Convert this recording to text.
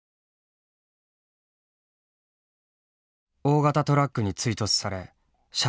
大型トラックに追突され車両は大破。